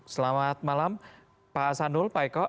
selamat malam pak asanul pak eko